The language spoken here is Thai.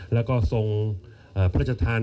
แล้วก็ทรงพระจัตริย์ทาง